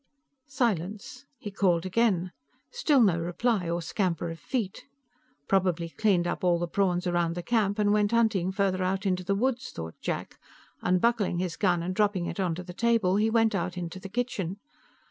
Silence. He called again; still no reply or scamper of feet. Probably cleaned up all the prawns around the camp and went hunting farther out into the woods, thought Jack. Unbuckling his gun and dropping it onto the table, he went out to the kitchen.